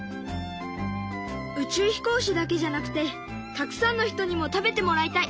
宇宙飛行士だけじゃなくてたくさんの人にも食べてもらいたい。